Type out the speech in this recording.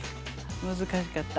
難しかった。